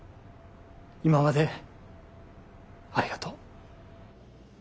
今までありがとう。